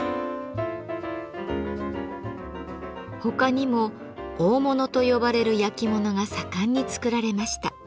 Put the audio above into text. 他にも「大物」と呼ばれる焼き物が盛んに作られました。